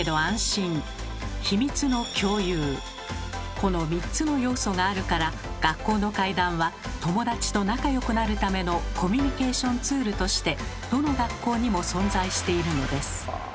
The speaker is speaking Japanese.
この３つの要素があるから学校の怪談は友達と仲よくなるためのコミュニケーションツールとしてどの学校にも存在しているのです。